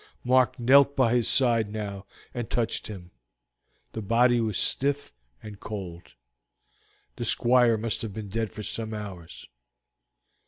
Mark knelt by his side now, and touched him. The body was stiff and cold. The Squire must have been dead for some hours.